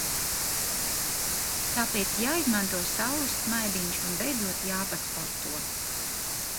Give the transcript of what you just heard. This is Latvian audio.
Tāpēc jāizmanto saules smaidiņš un beidzot jāpasporto.